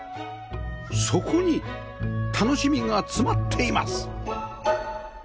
そこに楽しみが詰まっています